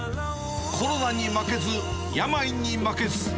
コロナに負けず、病にマケズ。